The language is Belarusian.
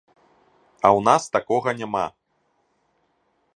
А ў нас такога няма.